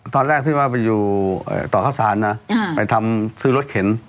ตอนแรกซึ่งมาไปอยู่เอ่อต่อข้าวสารน่ะอ่าไปทำซื้อรถเข็น